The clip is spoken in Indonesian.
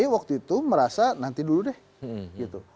waktu itu merasa nanti dulu deh gitu